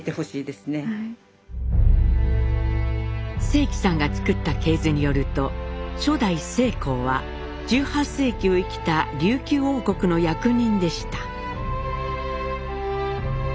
正祺さんが作った系図によると初代正好は１８世紀を生きた琉球王国の役人でした。